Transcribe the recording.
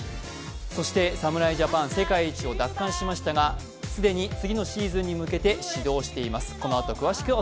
そして侍ジャパン、世界一を奪還しましたが、既に次のシーズンへ向けて始動しています。